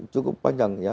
cukup panjang ya